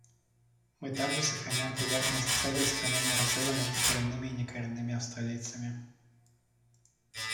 Мы также сохраняем приверженность цели устранения разрыва между коренными и некоренными австралийцами.